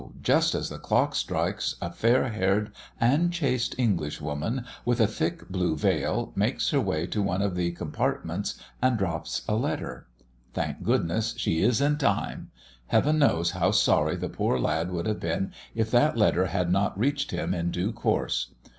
just as the clock strikes, a fair haired and chaste English woman, with a thick blue veil, makes her way to one of the compartments and drops a letter. Thank goodness, she is in time! Heaven knows how sorry the poor lad would have been if that letter had not reached him in due course.